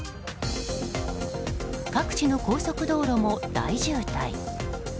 各地の高速道路も大渋滞。